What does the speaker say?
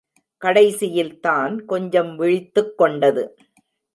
கடைசியில்தான் கொஞ்சம் விழித்துக் கொண்டது.